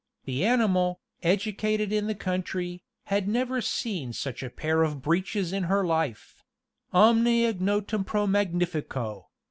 The animal, educated in the country, had never seen such a pair of breeches in her life _Omne ignotum pro magnifico!